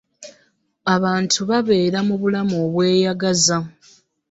abantu babeera mu bulamu obweyagaza.